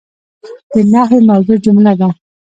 د نحوي موضوع جمله ده.